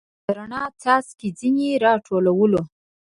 او د رڼا څاڅکي ځیني را ټولوو